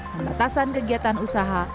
pembatasan kegiatan usaha